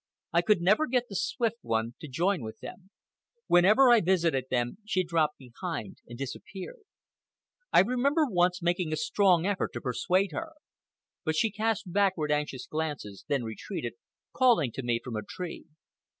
I could never get the Swift One to join with them. Whenever I visited them she dropped behind and disappeared. I remember once making a strong effort to persuade her. But she cast backward, anxious glances, then retreated, calling to me from a tree.